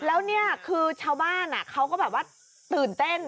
แล้วนี่คือชาวบ้านเขาก็แบบว่าตื่นเต้น